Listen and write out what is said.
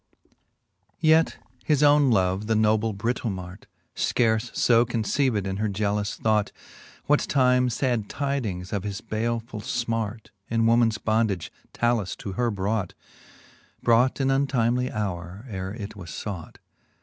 Yet his owne love, the noble Britomart^ Scarfe {o conceived in her jealous thought, What time lad tydings of his baleful! fmart In womans bondage lalus to her brought 5 Brought in untimely houre, ere it was fought.